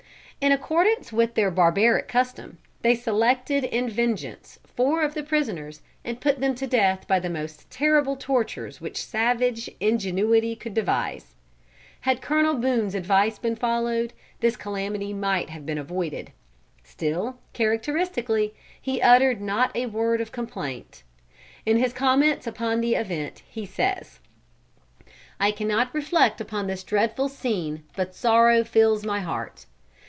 In accordance with their barbaric custom, they selected in vengeance four of the prisoners and put them to death by the most terrible tortures which savage ingenuity could devise. Had Colonel Boone's advice been followed, this calamity might have been avoided. Still characteristically, he uttered not a word of complaint. In his comments upon the event he says: "I cannot reflect upon this dreadful scene but sorrow fills my heart.